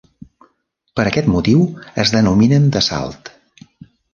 Per aquest motiu es denominen d'assalt.